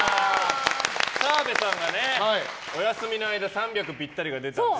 澤部さんがお休みの間３００ぴったりが出たんです。